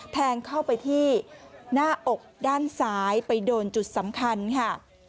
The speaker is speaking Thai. แทงเข้าไปที่หน้าอกด้านซ้ายไปโดนจุดสำคัญค่ะ